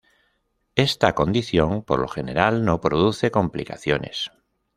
Esta condición por lo general no produce complicaciones.